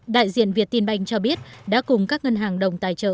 đại diện việt tin banh cho biết đã cùng các ngân hàng đồng tài trợ